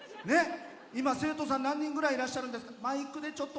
今、生徒さん何人ぐらいいらっしゃるんですか？